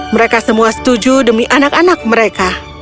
mereka semua setuju demi anak anak mereka